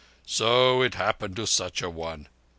So it happened to such a one."